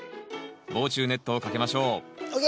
防虫ネットをかけましょうＯＫ！